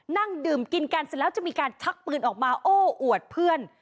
นั่งดื่มกินกันเสร็จแล้วจะมีการชักปืนออกมาโอ้อวดเพื่อน